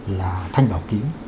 là thanh bảo ký